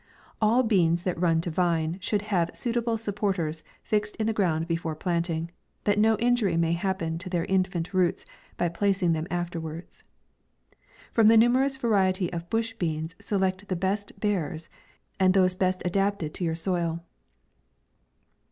All bean that run to vine, should have suitable sup porters fixed in the ground before plantii that no injury may happen to their infant roots by placing them afterwards. From the numerous variety of bush select the best bearers, and thes< ted to your soil.